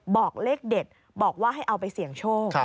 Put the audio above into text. บอกเลขเด็ดบอกว่าให้เอาไปเสี่ยงโชค